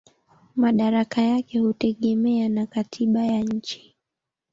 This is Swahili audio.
Madaraka yake hutegemea na katiba ya nchi.